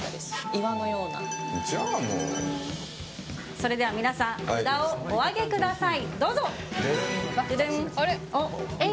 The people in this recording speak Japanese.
それでは皆さん札をお上げください。